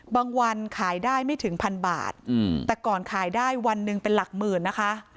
วันขายได้ไม่ถึงพันบาทแต่ก่อนขายได้วันหนึ่งเป็นหลักหมื่นนะคะ